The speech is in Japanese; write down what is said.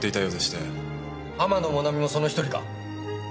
天野もなみもその１人か？